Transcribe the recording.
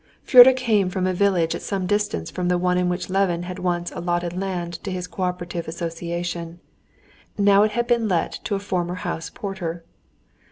Fyodor came from a village at some distance from the one in which Levin had once allotted land to his cooperative association. Now it had been let to a former house porter.